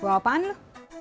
buat apaan lu